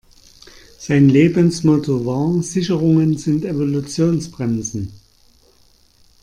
Sein Lebensmotto war: Sicherungen sind Evolutionsbremsen.